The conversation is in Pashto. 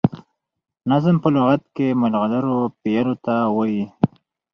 نظم په لغت کي د ملغرو پېيلو ته وايي.